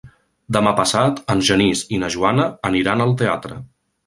Demà passat en Genís i na Joana aniran al teatre.